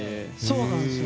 そうなんですよ。